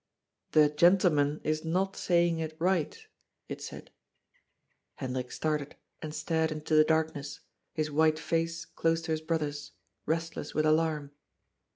" The gentleman is not saying it right," it said. Hendrik started and stared into the darkness, his white face close to his brother's, restless with alarm.